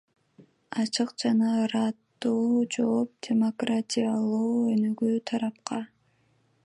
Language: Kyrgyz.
Ачык жана ыраттуу жооп – демократиялуу өнүгүү тарапка.